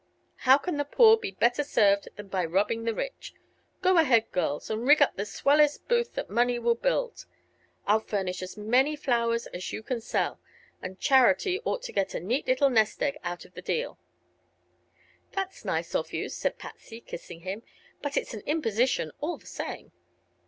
How can the poor be better served than by robbing the rich? Go ahead, girls, and rig up the swellest booth that money will build. I'll furnish as many flowers as you can sell, and Charity ought to get a neat little nest egg out of the deal." "That's nice of you," said Patsy, kissing him; "but it's an imposition, all the same."